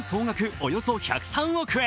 およそ１０３億円。